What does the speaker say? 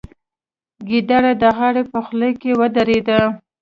ګیدړه د غار په خوله کې ودرېده.